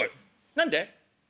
「何で？」。